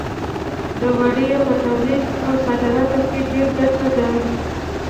د وړیو په تولید او صادراتو کې ډېره ګټه ده.